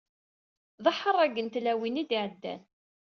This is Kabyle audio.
D aḥerrag n tlawin i d-iɛeddan.